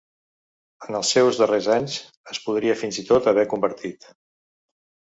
En els seus darrers anys es podria fins i tot haver convertit.